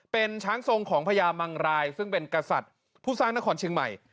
เป็นช้างทรงของพญามังรายซึ่งเป็นกษัตริย์ผู้สร้างนครเชียงใหม่